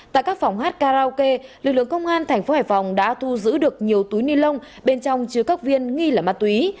tại các phòng hát karaoke lực lượng công an thành phố hải phòng đã thu giữ được nhiều túi ni lông bên trong chứa các viên nghi là ma túy